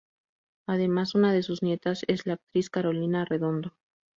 Además, una de sus nietas es la actriz Carolina Arredondo.